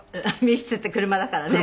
「密室って車だからね」